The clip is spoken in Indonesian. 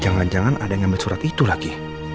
jangan jangan ada yang ngambil surat itu lagi